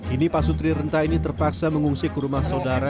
ini pak sutri renta ini terpaksa mengungsi ke rumah saudara